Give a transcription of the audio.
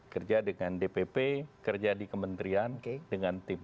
kerja dengan dpp kerja di kementerian dengan tim